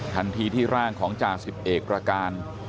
ทันทีที่ร่างของจ่าสิบเอกประการ